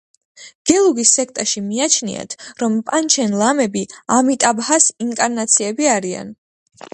გელუგის სექტაში მიაჩნიათ, რომ პანჩენ ლამები ამიტაბჰას ინკარნაციები არიან.